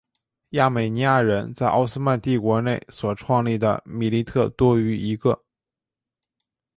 亚美尼亚人在奥斯曼帝国内所创立的米利特多于一个。